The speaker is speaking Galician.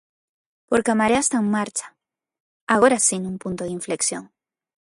Porque a marea está en marcha, agora si nun punto de inflexión.